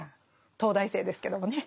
東大生ですけどもね。